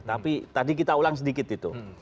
tapi tadi kita ulang sedikit itu